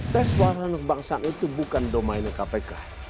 tes wawasan kebangsaan itu bukan domainnya kpk